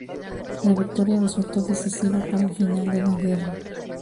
La victoria resultó decisiva para el final de la guerra.